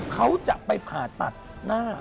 เขาจะไปผ่าตัดหน้า